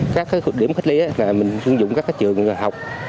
các thuộc điểm cách ly là mình sử dụng các trường học